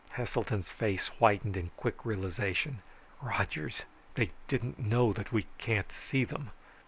Heselton's face whitened in quick realization. "Rogers! They didn't know that we can't see them!"